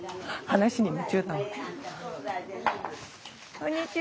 こんにちは。